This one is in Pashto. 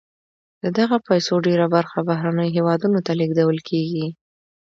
د دغه پیسو ډېره برخه بهرنیو هېوادونو ته لیږدول کیږي.